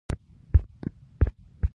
شوتله څه شی ده؟